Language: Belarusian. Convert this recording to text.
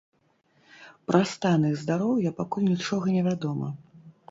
Пра стан іх здароўя пакуль нічога не вядома.